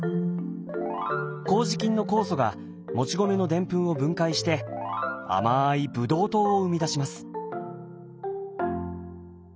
こうじ菌の酵素がもち米のデンプンを分解して甘いブドウ糖を生み出します。